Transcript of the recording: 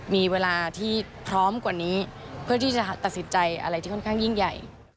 มีเวลาที่พร้อมกว่านี้เพื่อที่จะตัดสินใจอะไรที่ค่อนข้างยิ่งใหญ่